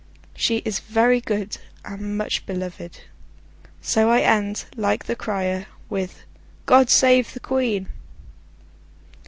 She is very good, and much beloved. So I end, like the crier, with God Save the Queen!